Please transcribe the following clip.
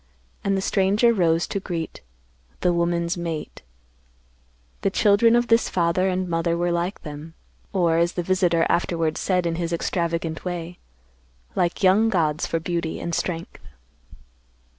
And the stranger rose to greet—the woman's mate. The children of this father and mother were like them; or, as the visitor afterwards said in his extravagant way, "like young gods for beauty and strength."